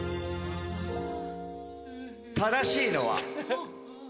正しいのは。